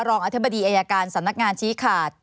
อธิบดีอายการสำนักงานชี้ขาด